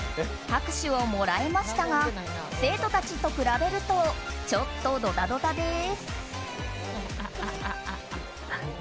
拍手をもらえましたが生徒たちと比べるとちょっとドタドタです。